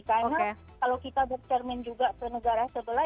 karena kalau kita buk cermin juga ke negara sebelah